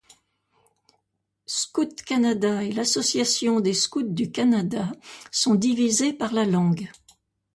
Scouts Canada et l'Association des Scouts du Canada sont divisées par la langue.